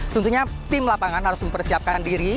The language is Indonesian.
tentunya tim lapangan harus mempersiapkan diri